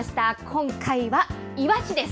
今回はいわしです。